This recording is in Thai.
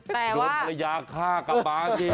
แต่ว่าโดดภรรยาฆ่ากับบ้านที่